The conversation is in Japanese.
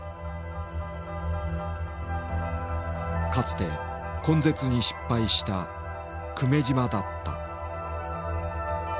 かつて根絶に失敗した久米島だった。